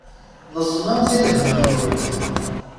Neẓmemt i lhem-nkent.